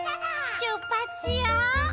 「しゅっぱつしよう！」